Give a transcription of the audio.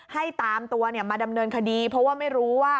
ให้ตามตัวมาดำเนินคดีเพราะว่าไม่รู้ว่า